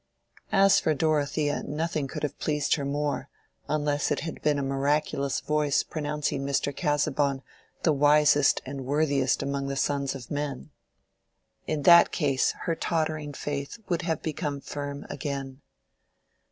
As for Dorothea, nothing could have pleased her more, unless it had been a miraculous voice pronouncing Mr. Casaubon the wisest and worthiest among the sons of men. In that case her tottering faith would have become firm again.